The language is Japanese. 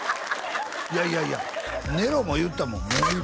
いやいやいやネロも言うてたもん